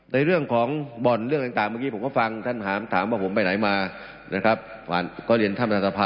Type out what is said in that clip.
ในเรื่องของบ่อนเรื่องต่างเมื่อกี้ผมก็ฟังท่านถามว่าผมไปไหนมานะครับ